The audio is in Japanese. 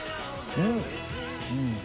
うん！